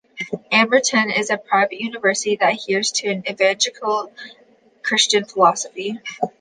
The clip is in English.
Amberton is a private university that adheres to an Evangelical Christian philosophy.